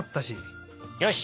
よし！